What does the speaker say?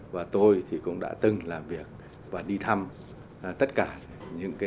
và tôi cũng đã từng làm việc và đi thăm tất cả những nước trong hội đồng hợp tác vùng vịnh